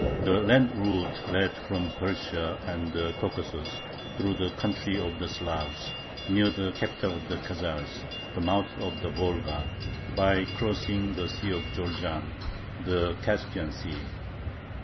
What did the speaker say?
The land route led from Persia and the Caucasus "through the country of the Slavs, near the capital of the Khazars" (the mouth of the Volga), by crossing the Sea of Jorjan (the Caspian Sea).